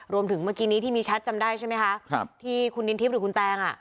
รวมถึงเมื่อกี้นี้ที่มีชัดจำได้ใช่ไหมคะที่คุณดินทิพย์หรือคุณแตง